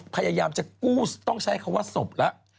พยายามจะกู้ต้องใช้คำว่าศพแล้ว